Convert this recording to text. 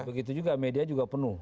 begitu juga media juga penuh